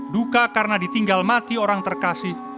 duka karena ditinggal mati orang terkasih